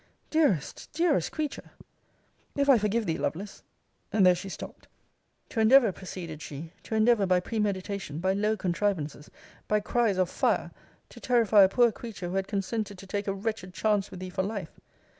Dearest, dearest creature! If I forgive thee, Lovelace And there she stopped. To endeavour, proceeded she, to endeavour by premeditation, by low contrivances, by cries of Fire! to terrify a poor creature who had consented to take a wretched chance with thee for life!